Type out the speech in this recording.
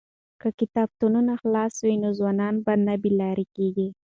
که کتابتونونه خلاص وي نو ځوانان نه بې لارې کیږي.